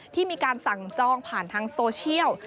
ที่มีการสั่งจองผ่านทางโซเชียล